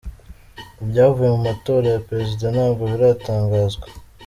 Ibyavuye mu matora ya perezida ntabwo biratangazwa.